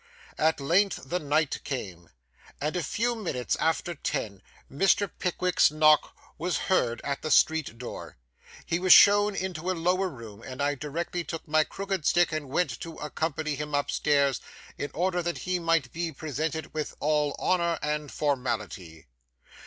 At length the night came, and a few minutes after ten Mr. Pickwick's knock was heard at the street door. He was shown into a lower room, and I directly took my crooked stick and went to accompany him up stairs, in order that he might be presented with all honour and formality.